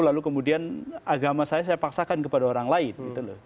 lalu kemudian agama saya saya paksakan kepada orang lain